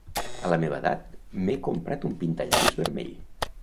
A la meva edat, m'he comprat un pintallavis vermell.